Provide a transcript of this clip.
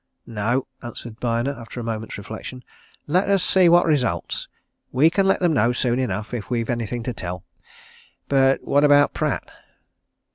"No!" answered Byner, after a moment's reflection. "Let us see what results. We can let them know, soon enough, if we've anything to tell. But what about Pratt?"